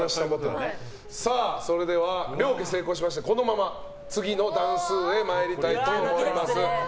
それでは両家成功しましてこのまま、次の段数へ参りたいと思います。